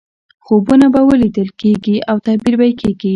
خوبونه به لیدل کېږي او تعبیر به یې کېږي.